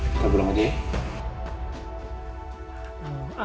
kita pulang aja ya